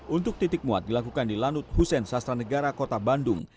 untuk titik muat dilakukan di lanut hussein sastra negara kota bandung